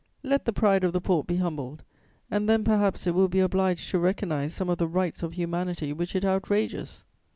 Let the pride of the Porte be humbled, and then perhaps it will be obliged to recognise some of the rights of humanity which it outrages!